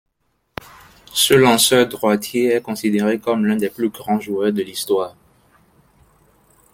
Ce lanceur droitier est considéré comme l'un des plus grands joueurs de l'histoire.